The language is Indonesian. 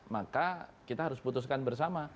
maka kita harus putuskan bersama